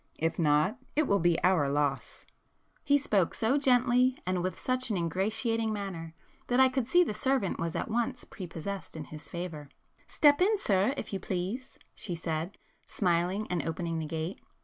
If not, it will be our loss." He spoke so gently and with such an ingratiating manner that I could see the servant was at once prepossessed in his favour. "Step in, sir, if you please,—" she said smiling and opening the gate.